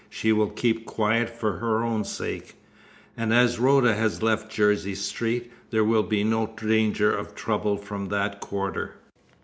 "She will keep quiet for her own sake; and as Rhoda has left Jersey Street, there will be no danger of trouble from that quarter.